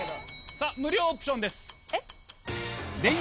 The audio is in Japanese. さぁ無料オプションです。